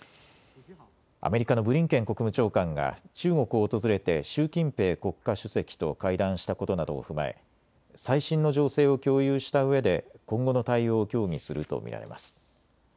アメリカのブリンケン国務長官が中国を訪れて習近平国家主席と会談したことなどを踏まえ最新の情勢を共有したうえで今後の対応を協議すると見られます。